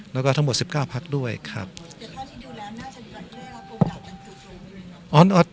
แล้วก็ทั้งหมดสิบก้าวภาคด้วยครับเดี๋ยวท่านที่ดูแลน่าจะได้รับโปรดับกันเกี่ยวกัน